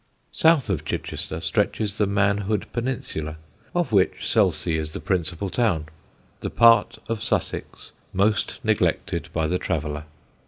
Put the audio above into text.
South of Chichester stretches the Manhood peninsula, of which Selsey is the principal town: the part of Sussex most neglected by the traveller.